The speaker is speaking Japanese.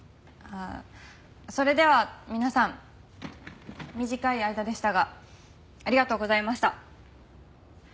それでは皆さん短い間でしたがありがとうございました。